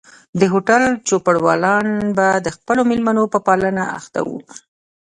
د هوټل چوپړوالان به د خپلو مېلمنو په پالنه اخته وو.